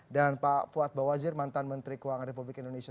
pak fuad bawazir mantan menteri keuangan republik indonesia